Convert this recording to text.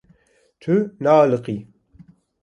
Tu naaliqî.